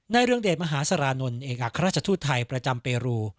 เรืองเดชมหาสารานนท์เอกอัครราชทูตไทยประจำเปรู